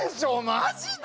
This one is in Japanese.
マジで？